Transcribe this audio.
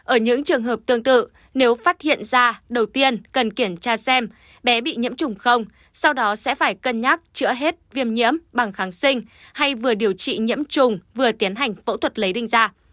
ở những trường hợp tương tự nếu phát hiện da đầu tiên cần kiểm tra xem bé bị nhiễm trùng không sau đó sẽ phải cân nhắc chữa hết viêm nhiễm bằng kháng sinh hay vừa điều trị nhiễm trùng vừa tiến hành phẫu thuật lấy đinh da